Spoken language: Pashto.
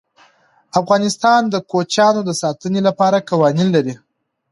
افغانستان د کوچیانو د ساتنې لپاره قوانین لري.